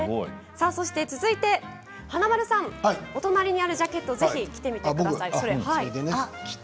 続いて華丸さん、お隣にあるジャケットを着てみてください。